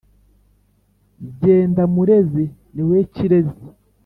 Jyenda murezi ni wowe kirêzi!